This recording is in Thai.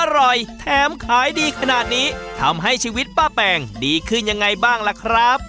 อร่อยแถมขายดีขนาดนี้ทำให้ชีวิตป้าแปงดีขึ้นยังไงบ้างล่ะครับ